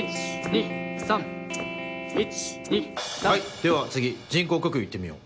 では次人工呼吸行ってみよう。